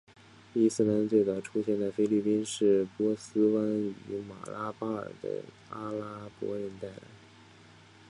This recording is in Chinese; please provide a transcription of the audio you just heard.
伊斯兰最早出现在菲律宾是波斯湾与马拉巴尔的阿拉伯人带来。